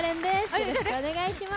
よろしくお願いします。